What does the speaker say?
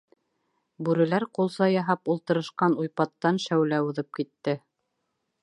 Бүреләр ҡулса яһап ултырышҡан уйпаттан шәүлә уҙып китте.